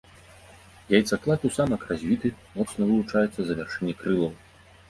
Яйцаклад у самак развіты, моцна вылучаецца за вяршыні крылаў.